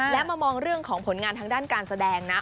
และมามองเรื่องของผลงานทางด้านการแสดงนะ